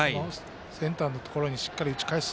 センターのところにしっかりと打ち返す。